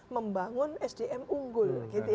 membangun sdm unggul